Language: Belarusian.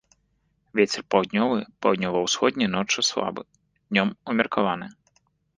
Вецер паўднёвы, паўднёва-ўсходні ноччу слабы, днём умеркаваны.